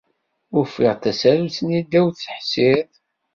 Ufiɣ-d tasarut-nni ddaw teḥṣirt.